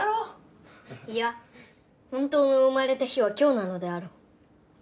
いや本当の生まれた日は今日なのであろう？